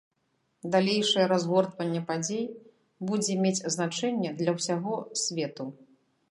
Далейшае разгортванне падзей будзе мець значэнне для ўсяго свету.